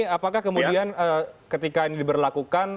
apakah kemudian ketika ini diberlakukan